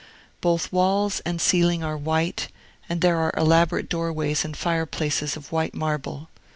Both walls and ceiling are white, and there are elaborate doorways and fireplaces of white marble.